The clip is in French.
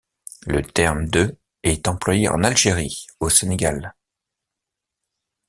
Le terme de est employé en Algérie, au Sénégal.